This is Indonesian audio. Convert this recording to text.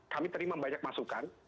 kami terima banyak masukan